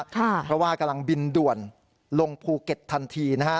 เพราะว่ากำลังบินด่วนลงภูเก็ตทันทีนะฮะ